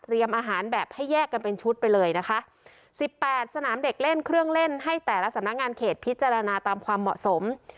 อาหารแบบให้แยกกันเป็นชุดไปเลยนะคะสิบแปดสนามเด็กเล่นเครื่องเล่นให้แต่ละสำนักงานเขตพิจารณาตามความเหมาะสม